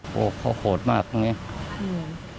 โอ้โฮเขาโหดมากตรงนี้